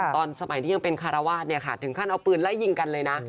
ตอนสมัยที่ยังเป็นคารวาสเนี่ยค่ะถึงขั้นเอาปืนไล่ยิงกันเลยนะ